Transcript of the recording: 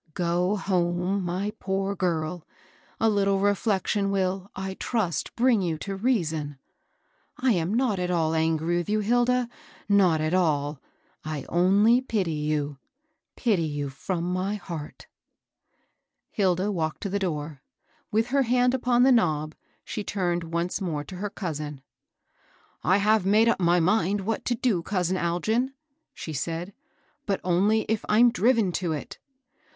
Go liome, my poor girl I A little ii^fletttion will, I trast, brkig you to reaison. I am not at all angry with you, Hilda, ttot at aH'; I only Jaty you, —pity you fiwai my heart*" HSda walked «o the itoot. With h^ hand iqpon ibe knob, ahe turned once mem to h^ cousin. *' I have made up my mind what to do, cous in Algin," she said, but only if I'm driven to it.